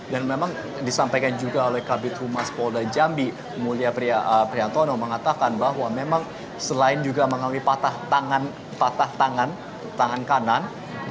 dan memang disampaikan juga oleh kabinet rumah pola jambi mulia priyantono mengatakan bahwa memang selain juga mengalami patah tangan kanan